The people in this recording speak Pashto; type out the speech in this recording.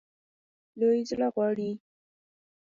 لوی زړه غواړي.